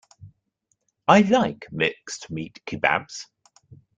I like mixed meat kebabs.